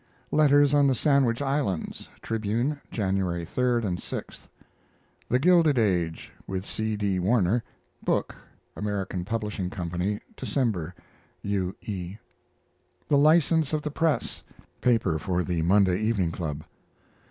Letters on the Sandwich Islands Tribune, January 3 and 6. THE GILDED AGE (with C. D. Warner) book (Am. Pub. Co), December. U. E. THE LICENSE OF THE PRESS paper for The Monday Evening Club.